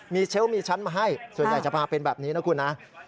มีเชลล์มีชั้นมาให้ส่วนใหญ่จะพาเป็นแบบนี้นะคุณนะ